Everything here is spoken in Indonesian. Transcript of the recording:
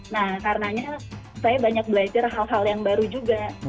nah karenanya saya banyak belajar hal hal yang baru juga